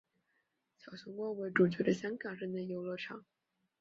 小熊国为主角的香港室内游乐场。